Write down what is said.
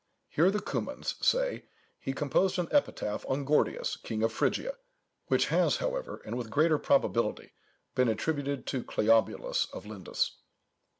Here, the Cumans say, he composed an epitaph on Gordius, king of Phrygia, which has however, and with greater probability, been attributed to Cleobulus of Lindus.